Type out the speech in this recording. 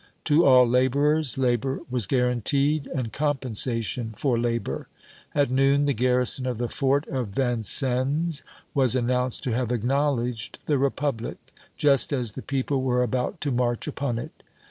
To all laborers labor was guaranteed and compensation for labor. At noon the garrison of the fort of Vincennes was announced to have acknowledged the Republic, just as the people were about to march upon it.